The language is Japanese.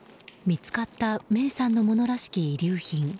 見つかった芽生さんのものらしき遺留品。